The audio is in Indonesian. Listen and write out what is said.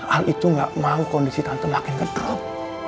al itu ga mau kondisi tante makin ke drop